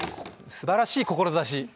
すばらしい志。